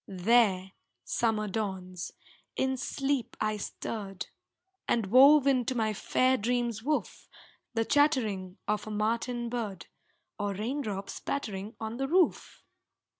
There, summer dawns, in sleep I stirred, And wove into my fair dream's woof The chattering of a martin bird, Or rain drops pattering on the roof.